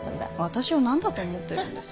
私を何だと思ってるんです？